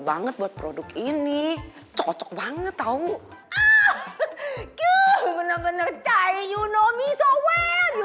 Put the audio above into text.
banget buat produk ini cocok banget tau ah kiuuh bener bener cahy you know me so well you